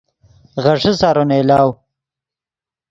غیݰے سارو نئیلاؤ